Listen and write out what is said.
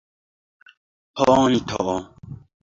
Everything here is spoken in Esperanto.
ponto